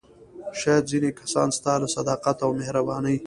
شاید ځینې کسان ستا له صداقت او مهربانۍ.